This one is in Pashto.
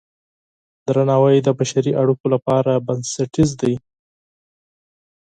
درناوی د بشري اړیکو لپاره بنسټیز دی.